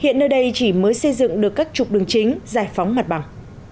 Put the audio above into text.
hiện nơi đây chỉ mới xây dựng được các trục đường chính giải phóng mặt bằng